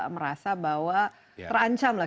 merasa bahwa terancamlah